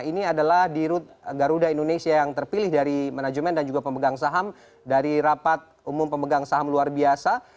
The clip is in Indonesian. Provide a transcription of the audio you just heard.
ini adalah di garuda indonesia yang terpilih dari manajemen dan juga pemegang saham dari rapat umum pemegang saham luar biasa